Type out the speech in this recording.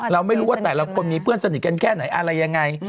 เราไม่รู้ว่าแต่ละคนมีเพื่อนสนิทกันแค่ไหนอะไรยังไง